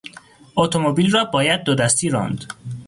اتومبیل را باید دو دستی راند.